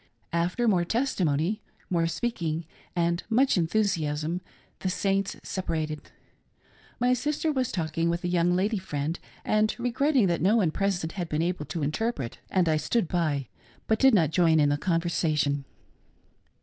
After more testimony, more " speaking,'' and much enthu siasm, the Saints separated. My sister was talking with a young lady friend, and regretting that no one present had been able to interpret ; and I stood by, but did not join in the conversation.